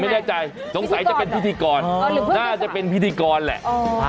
ไม่แน่ใจสงสัยจะเป็นพิธีกรน่าจะเป็นพิธีกรแหละ